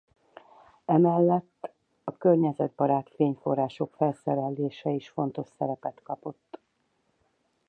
Emellett a környezetbarát fényforrások felszerelése is fontos szerepet kapott.